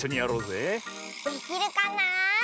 できるかな？